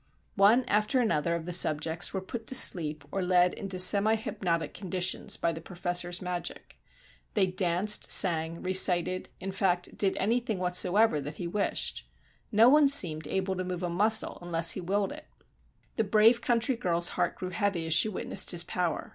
One after another of the "subjects" were "put to sleep" or led into semi hypnotic conditions by the professor's magic. They danced, sang, recited, in fact, did anything whatsoever that he wished. Not one seemed able to move a muscle unless he willed it. The brave country girl's heart grew heavy as she witnessed his power.